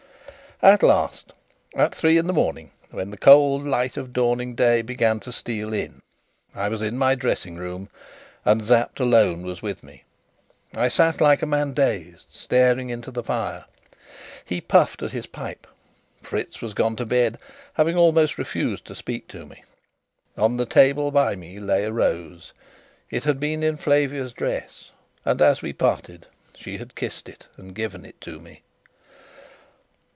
At last, at three in the morning, when the cold light of dawning day began to steal in, I was in my dressing room, and Sapt alone was with me. I sat like a man dazed, staring into the fire; he puffed at his pipe; Fritz was gone to bed, having almost refused to speak to me. On the table by me lay a rose; it had been in Flavia's dress, and, as we parted, she had kissed it and given it to me.